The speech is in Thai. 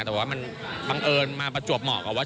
แต่ว่ามันบังเอิญมาประจวบเหมาะกับว่า